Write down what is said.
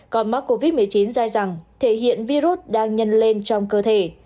chuyên gia snell cho biết đối với covid một mươi chín kéo dài dẳng thể hiện virus đang nhân lên trong cơ thể